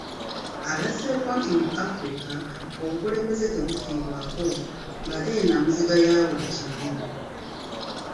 Agasseeko nti mu Africa obukulembeze tebufiibwako ng'ate yennamuziga yabuli kimu.